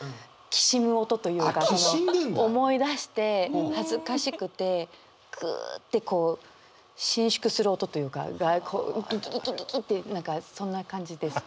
きしむ音というか思い出して恥ずかしくてぐうってこう伸縮する音というかがこうグギギギギって何かそんな感じです。